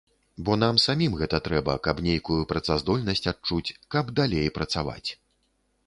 Бо нам самім гэта трэба, каб нейкую працаздольнасць адчуць, каб далей працаваць.